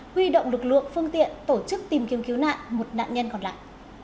huy động lực lượng phương tiện tổ chức tìm kiếm cứu nạn một nạn nhân còn lại